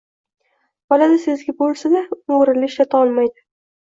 Bolada sezgi bo`lsada, uni o`rinli ishlata olmaydi